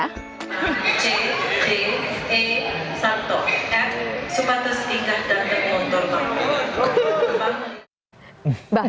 c d e satu f sepatus tiga datang motor bangun